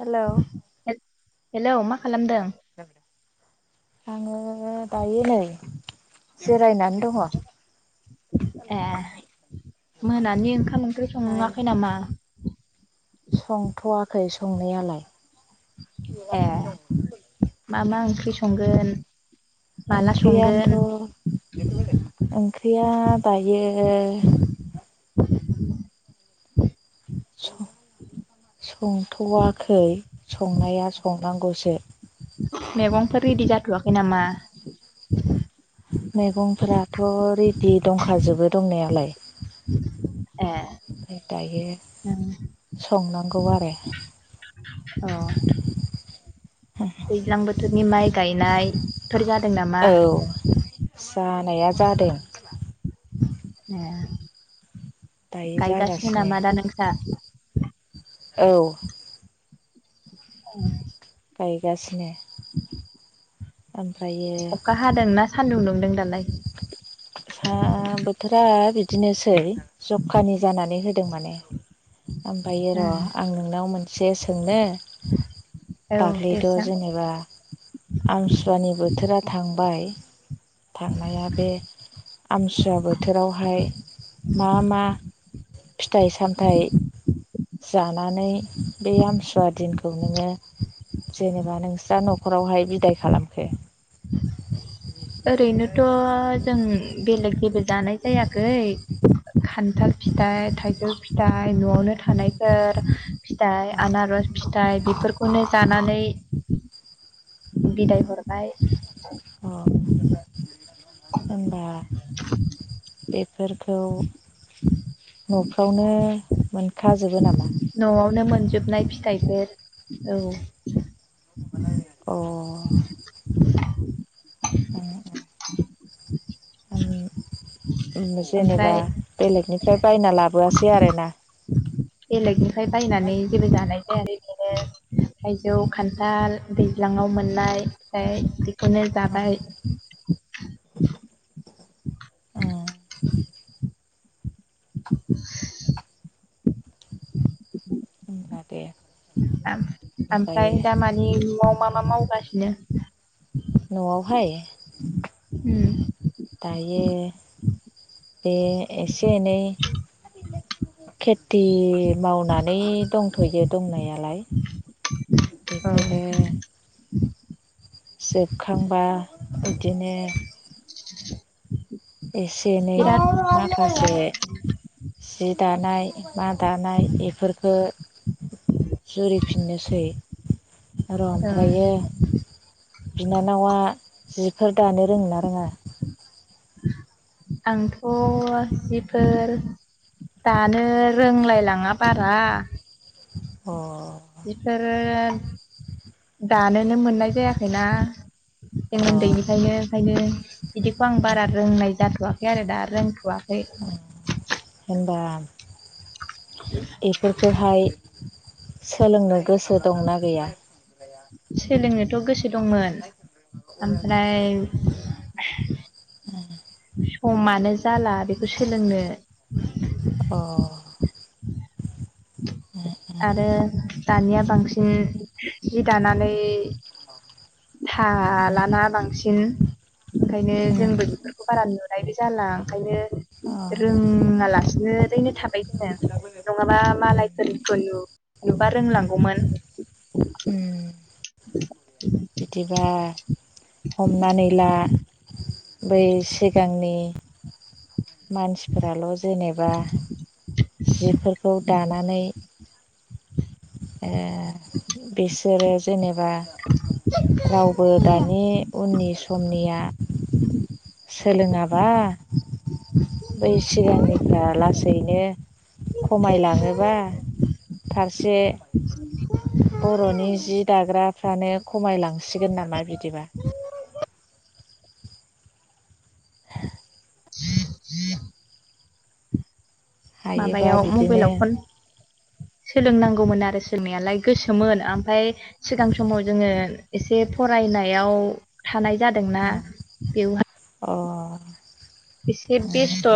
Hello hello मा खालामदों। आङो दायो नै जिरायनानै दङ। ए मोनानि ओंखाम ओंख्रि ओमफ्राय सङाखै नामा। संथ'वाखै संनायालाय। ए मा मा ओंख्रि संगोन। माला संगोन ओंख्रियानोथ' ओंख्रिया दायो। ओ स संथ'वाखै संनाया संनांगौसो। मेगंफोर रेडि जाथ'वाखै नामा। मैगंफ्राथ' रेडि दंखाजोबो दंनायालाय। ए ओमफ्राय दायो नों- संनांगौ आरो। अ दैज्लां बोथोरनि माइ गायनाय। औ जानाया जादों।। ए दायो गायगासिनो जागासिनो नामा दा नोंस्रा। औ [unintelligible] गायगासिनो। [unintelligible] ओमफ्रायो अखा हादों ना सानदुं दुंदों दालाय। सा बोथोरा बिदिनोसै जखानि जानानै होदों माने। ओमफायो र' उम, आं नोंनाव मोनसे सोंनो। औ दाख्लैथ' देरसां जेनेबा आमसुवानि बोथोरा थांबाय। थांनाया बे आमथिसुवा बोथोरावहाय मा मा फिथाइ सामथाइ जानानै बे आमसुवा दिनखौ नोङो जेनेबा नोंस्रा न'खरावहाय बिदाय खालामखो? ओरैनोथ' जों बेलेग जेबो जानाय जायाखै खान्थाल फिथाइ थाइजौ फिथाइ न'आवनो थानायफोर फिथाइ अ आनारस फिथाइ बेफोरखौनो जानानै बिदाय हरबाय। होनबा बेफोरखौ न आवनो मोनखाजोबो नामा? नो मोनजोबनाय फिथाइफोर औ। अ [inaudible] अ [inaudible] आं जेनेबा ओमफ्राय बेलेगनिफ्राय बायना लाबोआसै आरोना। बेलेगनिफ्राय बायनानै जेबो जानाय नो थाइजौ खान्थाल दैज्लाङाव मोननाय ओमफ्राय बेखौनो जाबाय। ए [inaudible] होनबा दे। ओमफ्राय ओमफ्रायो दामानि न'आव मा मा मावगासिनो? न'आवहाय उम दायो बे एसे एनै खेथि मावनानै दंथ'यो दंनायालाय औ बेफोरो जोबखांबा इदिनो एसे एनै बिराद माखासे जि दानाय मा दानाय एफोरखो जुरिफिननोसै। र' ओं ओमफ्रायो बिनानावा जिफोर दानो रोङो ना रोङा? आंथ' जिफोर दानो रोंलायलाङा बारा। अ बेफोरो दानोनो मोननाय जायाखैना जों अ उन्दैनिफ्रायनो। खायनो इदिखौ आं बारा रोंनाय जाथ'वाखै आरो दा रोंथ'आ। अ' होनबा एफोरखो हाय सोलोंनो गोसो दंना गैया? थ' गोसो दंमोन ओमफ्राय उम समानो जाला बेखौ सोलोंनो। अ' उम उम आरो दानिया बांसिन हि दानानै थालाना बांसिन ओंखायनो जोंबो बेफोरखौ बारा नु नायबो जाला ओंखायनो अ रोङालासिनो रैनो थाबाय जोङो। नङाबा मालायफोर नुबा रोंलां गौमोन। बिदिबा हमनानै ला बै सिगांनि मानसिफोराल' जेनेबा जिफोरखौ दानानै ओ बिसोरो जेनेब बा रावबो दानि उननि समनिया सोलोङाबा बै सिगांनिफ्रा लासै नो खमाय लांङोबा फारसे बर'नि जि दाग्राफ्रानो खमायलांसिगोन नामा बिदिबा? [inaudible] [inaudible] [inaudible] हायोबा माबायाव बिदिनो मबाइलाव फन सोलों नां गौमोन आरो सोलों नायालाय गोसोमोन ओमफाय सिगां समाव जोङो। एसे फरायनायाव थानाय जादोंना बेवहा एसे बेस्थ'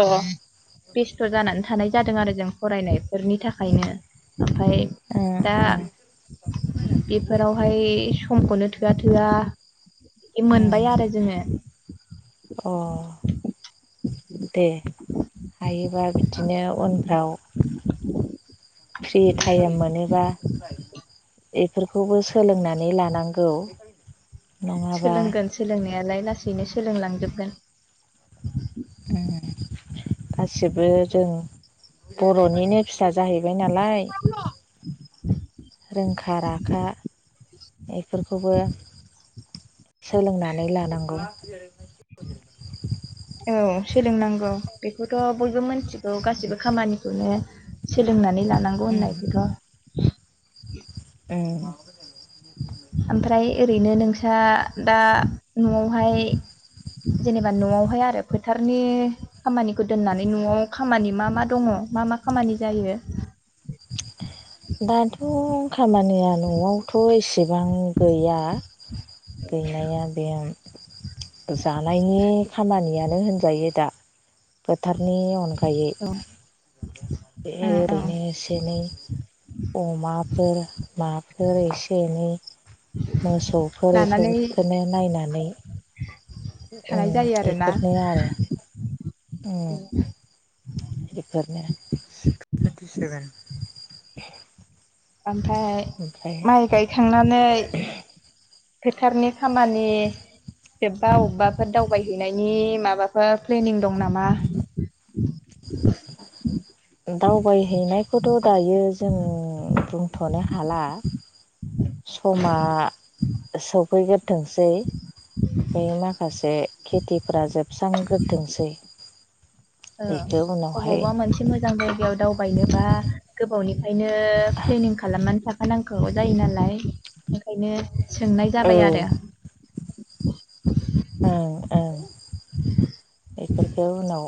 बेस्थ' जानानै थानाय जादों आरो जों फरायनाय फोरनि थाखायनो ओमफाय अ दा बेफोरावहाय समखौनो थोआ थोआ दि मोनबाय आरो जोङो। अ दे। हायोबा बिदिनो उनफ्राव फ्रि टायम मोनोबा एफोरखौबो सोलोंनानै लानांगौ। नङाबा सोलोंगोन सोलोंनायालाय लासैनो सोलोंलांजोबगोन। उम गासिबो जों बर'निनो फिसा जाहैबाय ना लाय रोंखा राखा बेफोरखौबो सोलोंनानै लानांगौ। औ। सोलोंनांगौ बेखौथ' बयबो मिथिगौ गासिबो खामानिखौनो सोलोंनानै ला नांगौ उम होननायखौथ' उम ‌। आमफ्राय ओरैनो नोंस्रा दा न'आवहाय जेनेबा न'आवहाय आरो फोथारनि खामानिखौ दोननानै न'आव खामानि मा मा दङ मा मा खामानि जायो? [inaudible] दाथ' खामानिया न'आवथ' एसेबां गैया। गैनाया गैया जानायनि खामानिया नो होनजायो दा फोथारनि अनगायै। औ बे ओं ओं ओरैनो एसे एनै अमाफोर माफोर एसे एनै मोसौफोर लानानै एफोरखोनो नायनानै थानाय उम जायो आरोना एफोरनो आरो उम। बेफोरनो थुइन्टि सेभेन। आमफ्राय माइ गायखांनानै फोथारनि खामानि जोबबा अबबाफोर दावबायहैनायनि माबाफोर प्लेनिं दं नामा? [inaudible] [unintelligible] दावबायहैनायखौथ' दायो जों बुंथ'नो हाला। समा सौफैगोर थोंसै बे माखासे खेथिफ्रा जोबस्रांग्रोथोंसै। ओ बेखौ उनावहाय अबावबा मोनसे मोन मोजां जायगायाव दावबायनोबा गोबावनिफ्रायनो प्लेनिं खालामनानै था खा नांखागौ जायो नालाय ओंखायनो सोंनाय औ जाबाय आरो। ओं ओं बेफोरखौ उनाव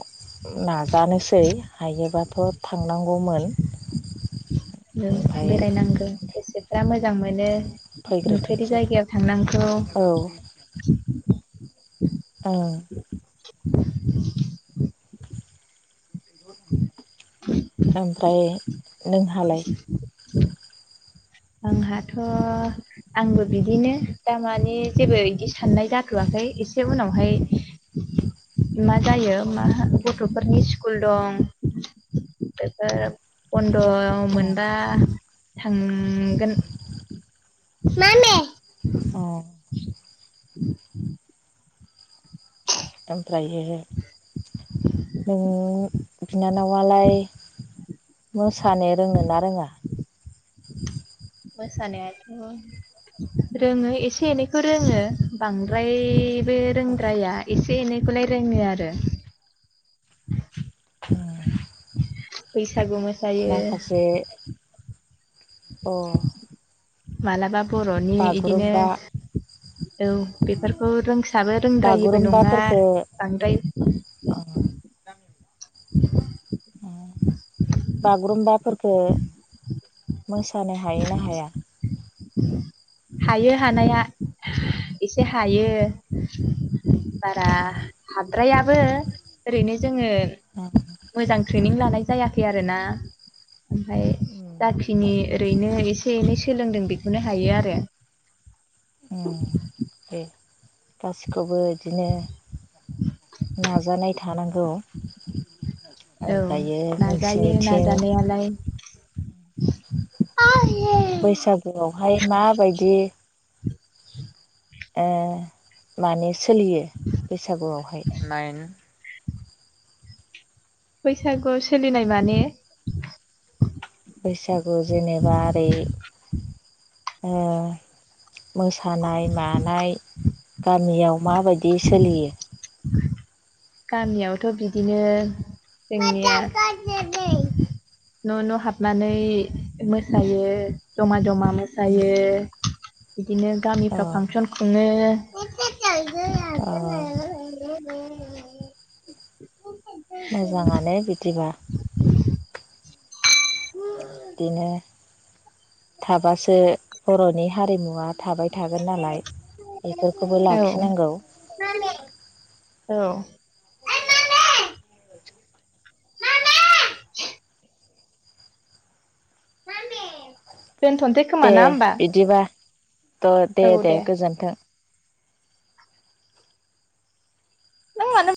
नाजानोसै हायोबाथ' थांनांगौमोन। ओं ओमफाय बेरायनांगौ गोसोफ्रा मोजां मोनो। नुफेरै फैग्रोथोंसै जायगायाव थांनांगौ। औ औ। [inaudible] ओमफ्राय नोंहालाय [inaudible] आंहाथ' आंबो बिदिनो दामानि जेबो बिदि साननाय अ जाथ'आखै एसे उनावहाय मा जायो मा गथ'फोरनि स्कुल दं बेफोर बन द'' अ मोनबा थांगोन। [unintelligible] अ [inaudible] ओमफ्रायो नों बिनानावालाय मोसानो रोङो ना रोङा? मोसानाय आथ' रोङो एसे एनैखौ रोङो बांद्राय बे रोंद्राया एसे एनैखौलाय रोङो आरो [unintelligible] हो बैसागु मोसायो अ मालाबा बर'नि इदिनो बागुरुम्बा औ बेफोरखौ रोंसाबो रोंद्रायिबो नङा। बागुरुम्बाफोरखो बांद्राय [unintelligible] टां उम बागुरुम्बाफोरखो मोसानो हायो ना हाया? [unintelligible] हायो हानाया एसे हायो। बारा हाद्रायाबो ओरैनो जोङो ह माने आं ट्रेनिं लानाय जायाखै‌ आरो ना ओमफाय जा उम खिनि ओ ओरैनो एसे एनै सोलोंदों बेखौनो हायो आरो दे गासिखौबो इदिनो नाजानाय थानांगौ। ओ औ ओमफ्रायो नोंसिनिथिं आ यो [unintelligible] बैसागुआवहाय माबायदि ओ माने सोलियो बैसागुआवहाय नाइन बैसागुआव सोलिनाय माने [unintelligible] बैसागु जेनेबा ओरै ओ मोसानाय मानाय गामियाव माबायदि सोलियो [unintelligible] गामियावथ' बिदिनो जोंनिया [unintelligible] न' न' हाबनानै मोसायो जमा जमा मोसायो। बिदिनो अ गामिफ्राव फांसन खुङो। [unintelligible] अ बे यो [unintelligible] मोजाङानो बिदिबा [unintelligible] ओ दिनो थाबासो बर'नि हारिमुवा थाबाय थागोन नालाय बेफोरखौबो लाखिनांगौ औ औ अ दङो आंहा मामि दोनथ'नोसै खोमा ना होमबा? द दे दे गोजोन्थों। नों मानोब